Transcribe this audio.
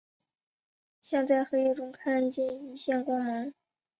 像在黑暗中看见一线光芒